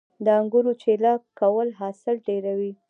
د انګورو چیله کول حاصل ډیروي